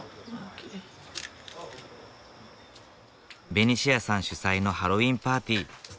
ベニシアさん主催のハロウィンパーティー。